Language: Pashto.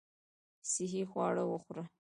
صحي خواړه وخوره .